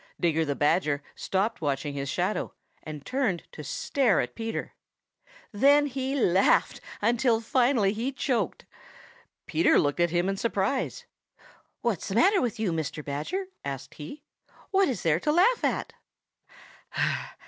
Digger the Badger stopped watching his shadow, and turned to stare at Peter. Then he laughed until finally he choked. Peter looked at him in surprise. "What's the matter with you, Mr. Badger?" asked he. "What is there to laugh at?"